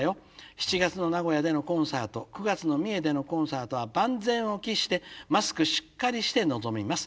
７月の名古屋でのコンサート９月の三重でのコンサートは万全を期してマスクしっかりして臨みます。